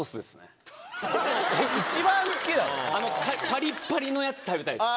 パリッパリのやつ食べたいです。